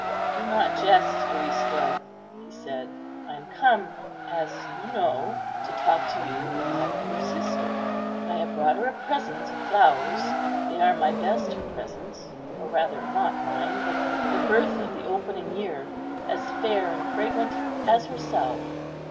"Do not jest, Aristo," he said; "I am come, as you know, to talk to you about your sister. I have brought her a present of flowers; they are my best present, or rather not mine, but the birth of the opening year, as fair and fragrant as herself."